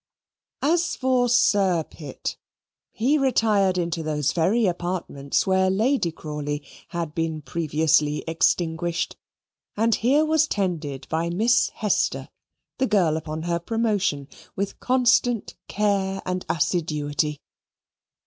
As for Sir Pitt he retired into those very apartments where Lady Crawley had been previously extinguished, and here was tended by Miss Hester, the girl upon her promotion, with constant care and assiduity.